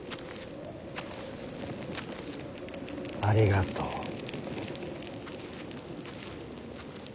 ありがとう。